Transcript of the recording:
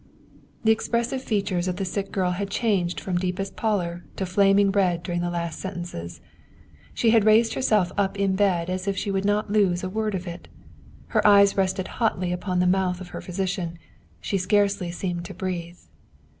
The expressive features of the sick girl had changed from deepest pallor to flaming red during the last sentences. She had raised herself up in bed as if she would not lose a word of it, her eyes rested hotly upon the mouth of her physi cian, she scarcely seemed to breathe.